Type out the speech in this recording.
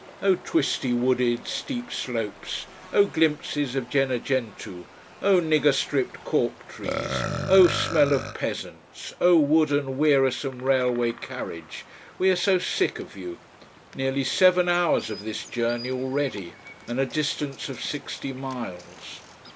Oh twisty, wooded, steep slopes, oh glimpses of Gennargentu, oh nigger stripped cork trees, oh smell of peasants, oh wooden, wearisome railway carriage, we are so sick of you! Nearly seven hours of this journey already: and a distance of sixty miles.